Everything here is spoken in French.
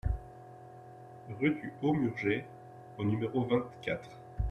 Rue du Haut Murger au numéro vingt-quatre